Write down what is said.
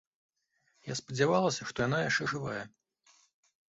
Я спадзявалася, што яна яшчэ жывая.